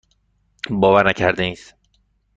باورنکردنی است.